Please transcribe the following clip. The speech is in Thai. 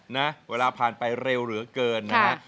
นะเวลาผ่านไปเร็วเหลือเกินนะฮะ